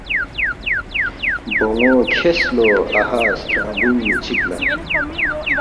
بونو کھرس لو اَہا سترنگبوئینگنو چک لا